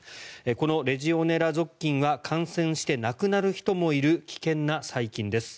このレジオネラ属菌は感染して亡くなる人もいる危険な細菌です。